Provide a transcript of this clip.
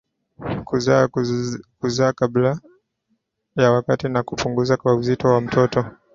kuzaa kuzaa kabla ya wakati na kupunguzwa kwa uzito wa mtoto